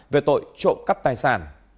về tội trộm cắp tài sản